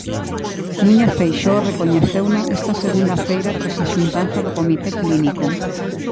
Núñez Feixóo recoñeceuno esta segunda feira tras a xuntanza do Comité clínico.